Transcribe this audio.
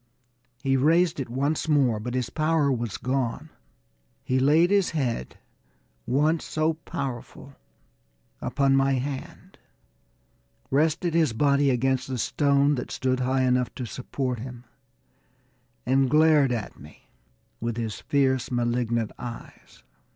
He raised it once more, but his power was gone. He laid his head, once so powerful, upon my hand, rested his body against the stone, that stood high enough to support him, and glared at me with his fierce, malignant eyes.